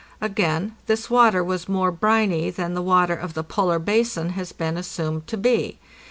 Again, this water was more briny than the water of the polar basin has been assumed to be.